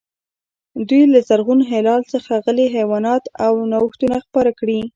دوی له زرغون هلال څخه غلې، حیوانات او نوښتونه خپاره کړي.